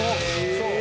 そう！